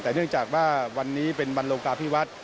แต่เนื่องจากว่าวันนี้เป็นวันโลกาพิวัฒน์